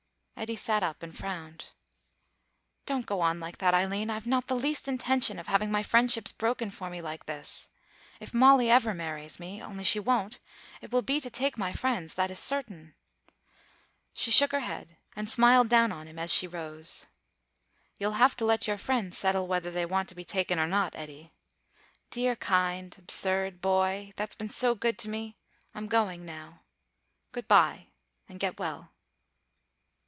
Eddy sat up and frowned. "Don't go on like that, Eileen. I've not the least intention of having my friendships broken for me like this. If Molly ever marries me only she won't it will be to take my friends; that is certain." She shook her head and smiled down on him as she rose. "You'll have to let your friends settle whether they want to be taken or not, Eddy.... Dear, kind, absurd boy, that's been so good to me, I'm going now. Goodbye, and get well."